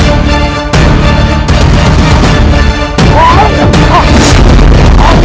aku akan mencari penyelesaianmu